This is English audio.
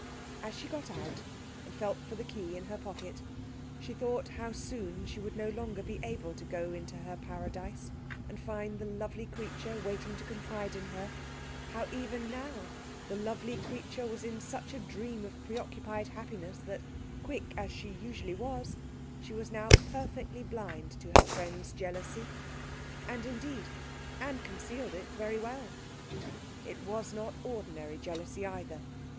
As she got out and felt for the key in her pocket, she thought how soon she would no longer be able to go into her paradise and find the lovely creature waiting to confide in her, how even now the lovely creature was in such a dream of preoccupied happiness that, quick as she usually was, she was now perfectly blind to her friend's jealousy. And, indeed, Anne concealed it very well. It was not ordinary jealousy either.